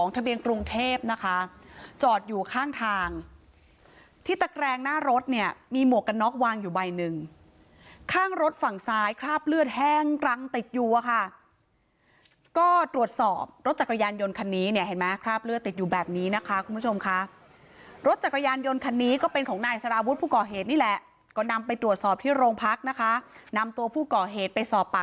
ทะเบียนกรุงเทพนะคะจอดอยู่ข้างทางที่ตะแกรงหน้ารถเนี่ยมีหมวกกันน็อกวางอยู่ใบหนึ่งข้างรถฝั่งซ้ายคราบเลือดแห้งกรังติดอยู่อะค่ะก็ตรวจสอบรถจักรยานยนต์คันนี้เนี่ยเห็นไหมคราบเลือดติดอยู่แบบนี้นะคะคุณผู้ชมค่ะรถจักรยานยนต์คันนี้ก็เป็นของนายสารวุฒิผู้ก่อเหตุนี่แหละก็นำไปตรวจสอบที่โรงพักนะคะนำตัวผู้ก่อเหตุไปสอบป